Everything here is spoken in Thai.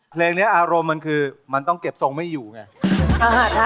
เพลงนี้อารมณ์มันคือมันต้องเก็บทรงไม่อยู่ไง